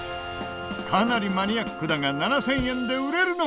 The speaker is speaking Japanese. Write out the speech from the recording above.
かなりマニアックだが７０００円で売れるのか？